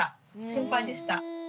心配でした。